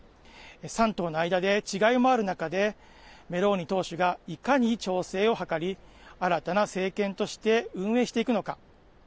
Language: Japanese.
３党の間で違いもある中でメローニ党首がいかに調整を図り新たな政権として運営していくのか。